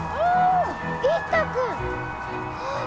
ああ！